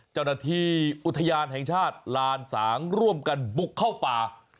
เจ้าหน้าที่อุทยานแห่งชาติลานสางร่วมกันบุกเข้าป่า